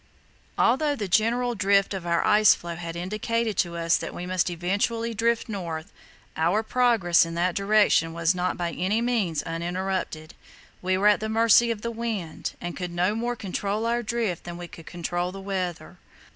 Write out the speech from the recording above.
Although the general drift of our ice floe had indicated to us that we must eventually drift north, our progress in that direction was not by any means uninterrupted. We were at the mercy of the wind, and could no more control our drift than we could control the weather.